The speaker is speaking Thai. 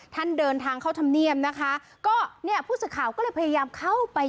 ท่านเดินทางเข้าธรรมเนียมนะคะก็เนี่ยผู้สื่อข่าวก็เลยพยายามเข้าไป